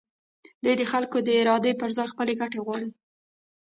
دوی د خلکو د ارادې پر ځای خپلې ګټې غواړي.